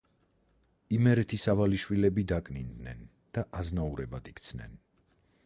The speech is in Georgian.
იმერეთის ავალიშვილები დაკნინდნენ და აზნაურებად იქცნენ.